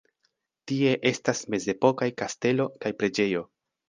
Tie estas mezepokaj kastelo kaj preĝejo.